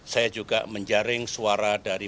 saya juga menjaring suara dari